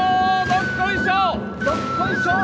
どっこいしょー